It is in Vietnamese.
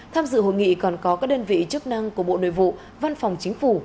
tham dự hội nghị còn có các đơn vị chức năng của bộ nội vụ văn phòng chính phủ